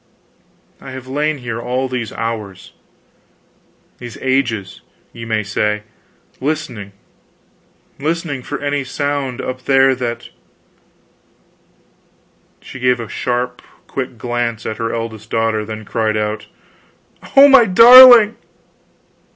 I have lain here all these hours these ages, ye may say listening, listening for any sound up there that " She gave a sharp quick glance at her eldest daughter, then cried out, "Oh, my darling!"